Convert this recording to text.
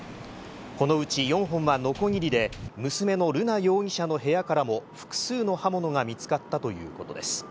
このうち４本はのこぎりで、娘の瑠奈容疑者の部屋からも複数の刃物が見つかったということです。